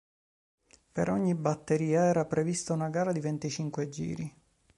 Per ogni batteria era prevista una gara di venticinque giri.